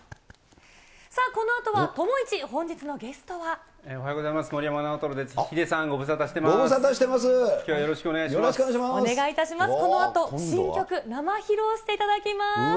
このあとは、友イチ、本日のゲスおはようございます。